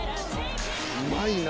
うまいな。